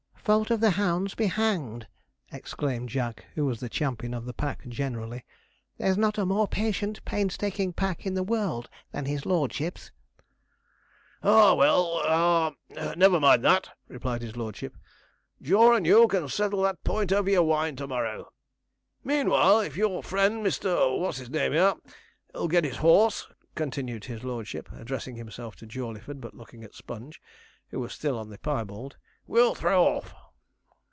'Fault of the hounds be hanged!' exclaimed Jack, who was the champion of the pack generally. 'There's not a more patient, painstaking pack in the world than his lordship's.' 'Ah well ah never mind that,' replied his lordship, 'Jaw and you can settle that point over your wine to morrow; meanwhile, if your friend Mr. What's his name here, 'll get his horse,' continued his lordship, addressing himself to Jawleyford, but looking at Sponge, who was still on the piebald, 'we'll throw off.'